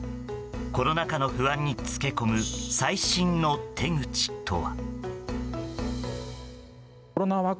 コロナ禍の不安に付け込む最新の手口とは。